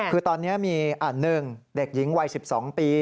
คือตอนนี้มี๑เด็กหญิงวัย๑๒ปี